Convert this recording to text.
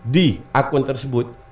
di akun tersebut